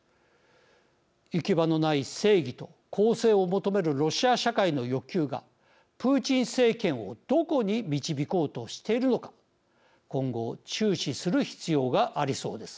行き場のない正義と公正を求めるロシア社会の欲求がプーチン政権をどこに導こうとしているのか今後注視する必要がありそうです。